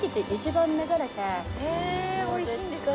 へぇおいしいんですか？